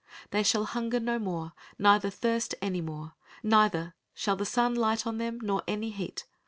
"They shall hunger no more, neither thirst any more; neither shall the sun light on them nor any heat.